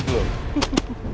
terima kasih bu